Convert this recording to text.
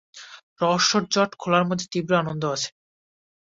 রহস্যের জট খোলার মধ্যে তীব্র আনন্দ আছে।